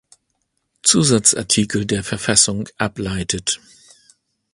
Zusatzartikel der Verfassung ableitet.